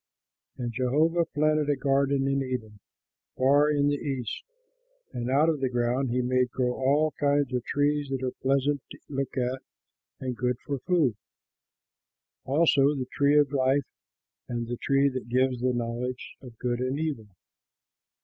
And Jehovah planted a garden in Eden, far in the East; and out of the ground he made grow all kinds of trees that are pleasant to look at and good for food, also the tree of life and the tree that gives the knowledge of good and evil.